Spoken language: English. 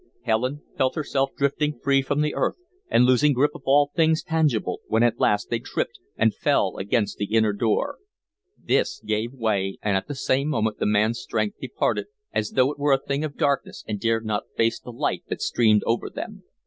Helen felt herself drifting free from the earth and losing grip of all things tangible, when at last they tripped and fell against the inner door. This gave way, and at the same moment the man's strength departed as though it were a thing of darkness and dared not face the light that streamed over them.